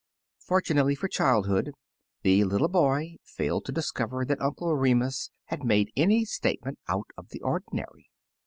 Fortunately for childhood, the little boy failed to discover that Uncle Remus had made any statement out of the ordinary.